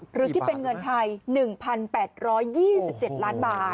หรือคิดเป็นเงินไทย๑๘๒๗ล้านบาท